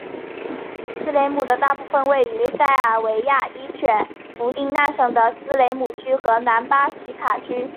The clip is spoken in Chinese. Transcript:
斯雷姆的大部分位于塞尔维亚伏伊伏丁那省的斯雷姆区和南巴奇卡区。